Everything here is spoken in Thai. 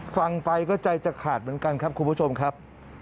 ฟังไปก็ใจจะขาดเหมือนกันครับคุณผู้ชมครับ